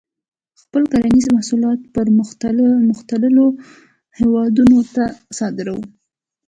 خپل کرنیز محصولات پرمختللو هیوادونو ته صادروي.